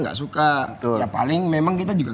nggak suka ya paling memang kita juga